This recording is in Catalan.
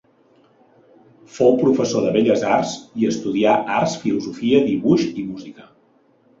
Fou professor de belles arts i estudià arts, filosofia, dibuix i música.